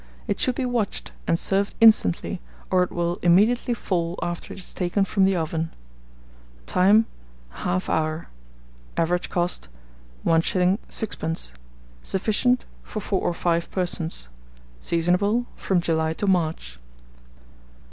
It should be watched, and served instantly, or it will immediately fall after it is taken from the oven. Time. 1/2 hour. Average cost, 1s. 6d. Sufficient for 4 or 5 persons. Seasonable from July to March.